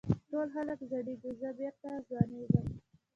ټول خلک زړېږي زه بېرته ځوانېږم.